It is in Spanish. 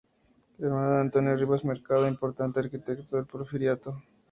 Hermana de Antonio Rivas Mercado, importante arquitecto del porfiriato.